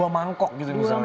dua mangkok gitu misalnya